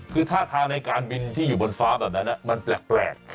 คือท่าทางในการบินที่อยู่บนฟ้าแบบนั้นมันแปลก